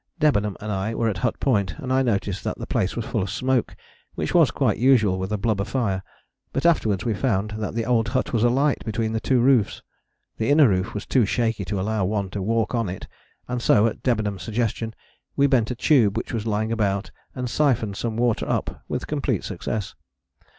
Debenham and I were at Hut Point. I noticed that the place was full of smoke, which was quite usual with a blubber fire, but afterwards we found that the old hut was alight between the two roofs. The inner roof was too shaky to allow one to walk on it, and so, at Debenham's suggestion, we bent a tube which was lying about and syphoned some water up with complete success.